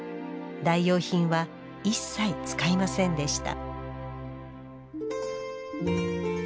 代用品は一切使いませんでした